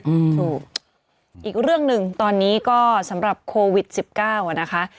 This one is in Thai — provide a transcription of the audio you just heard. อืมถูกอีกเรื่องหนึ่งตอนนี้ก็สำหรับโควิดสิบเก้าอ่ะนะคะ